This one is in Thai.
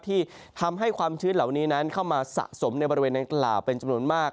ที่ทำให้ความชื้นเหล่านี้นั้นเข้ามาสะสมในบริเวณดังกล่าวเป็นจำนวนมาก